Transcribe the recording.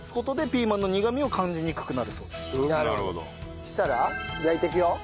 そしたら焼いていくよ。